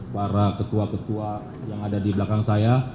para ketua ketua yang ada di belakang saya